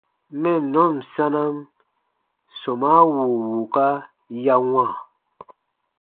Mɛnnɔn sanam sɔmaa wùu wùuka ya wãa.